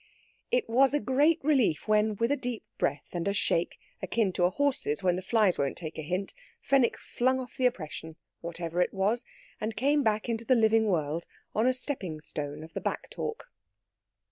It was a great relief when, with a deep breath and a shake, akin to a horse's when the flies won't take a hint, Fenwick flung off the oppression, whatever it was, and came back into the living world on a stepping stone of the back talk.